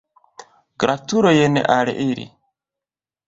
Gratulojn al ili.